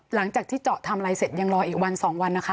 หลังจากที่เจาะทำอะไรเสร็จยังรออีกวันสองวันนะคะ